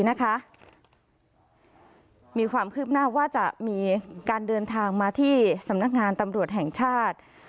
มีความคืบหน้าว่าจะมีการเดินทางมาที่สำนักงานตำรวจแห่งชาติ